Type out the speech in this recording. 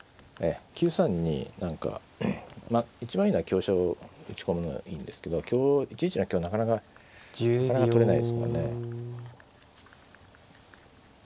９三に何かまあ一番いいのは香車を打ち込むのがいいんですけど香１一の香はなかなか取れないですもんね。